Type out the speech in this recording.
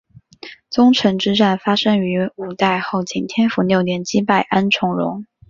宗城之战发生于五代后晋天福六年击败安重荣。